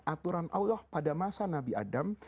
aturan allah pada masa nabi adam